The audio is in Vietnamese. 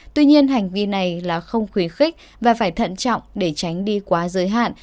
tuy nhiên hành vi này là không khuyến khích và phải thận trọng để tránh đi quá giới hạn